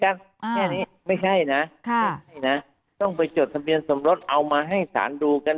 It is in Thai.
แค่นี้ไม่ใช่นะต้องไปจดทะเบียนสมรสเอามาให้สารดูกัน